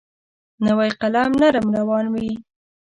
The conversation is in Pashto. نوی قلم نرم روان وي.